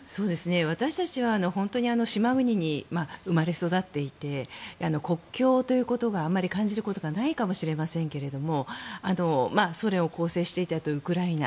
私たちは本当に島国に生まれ育っていて国境ということをあまり感じることがないかもしれませんがソ連を構成していたというウクライナ。